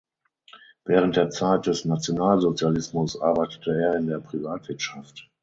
Während der Zeit des Nationalsozialismus arbeitete er in der Privatwirtschaft.